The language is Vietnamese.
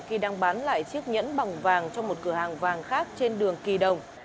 khi đang bán lại chiếc nhẫn bằng vàng cho một cửa hàng vàng khác trên đường kỳ đồng